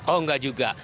oh enggak juga